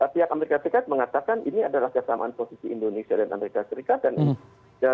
pihak amerika serikat mengatakan ini adalah kesamaan posisi indonesia dan amerika serikat dan indonesia